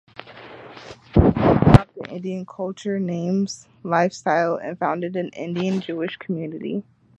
They adopted Indian culture, names, lifestyle and founded an Indian Jewish community.